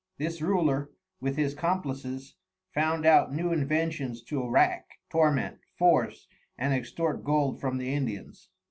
This Ruler, with his Complices found out new inventions to rack, torment, force and extort Gold from the Indians.